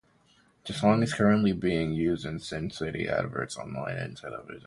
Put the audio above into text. The song is currently being used in "Sin City" adverts online and on television.